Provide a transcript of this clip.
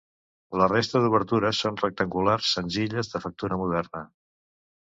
La resta d'obertures són rectangulars senzilles de factura moderna.